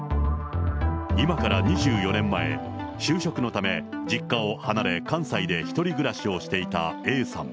今から２４年前、就職のため実家を離れ、関西で１人暮らしをしていたＡさん。